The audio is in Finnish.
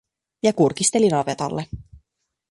Ja kurkisteli navetalle.